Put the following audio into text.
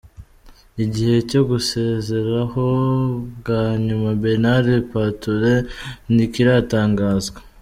Igihe cyo gusezeraho bwa nyuma Bernard Patureau ntikiratangazwa.